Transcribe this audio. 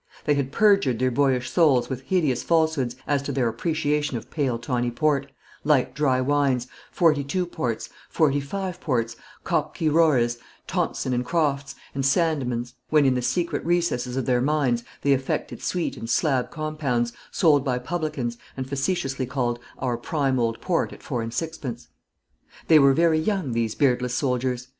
They had perjured their boyish souls with hideous falsehoods as to their appreciation of pale tawny port, light dry wines, '42 ports, '45 ports, Kopke Roriz, Thompson and Croft's, and Sandemann's; when, in the secret recesses of their minds, they affected sweet and "slab" compounds, sold by publicans, and facetiously called "Our prime old port, at four and sixpence." They were very young, these beardless soldiers.